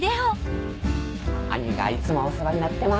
義兄がいつもお世話になってます。